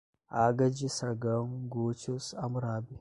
Ágade, Sargão, gútios, Hamurábi